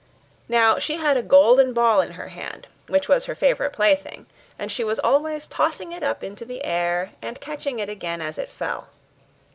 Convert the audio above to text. Now she had a golden ball in her hand, which was her favourite plaything; and she was always tossing it up into the air, and catching it again as it fell.